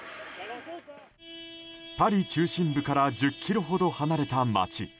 パリ中心部から１０ｋｍほど離れた街。